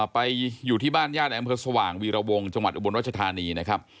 ไปอยู่ที่บ้านญาติในอำเภอสว่างวีรวงจังหวัดอุบลรัชธานีนะครับ